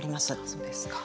そうですか。